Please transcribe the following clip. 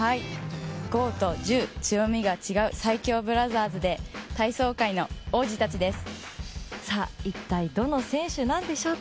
剛と柔、強みが違う最強ブラザーズで、体操界の王子たちです！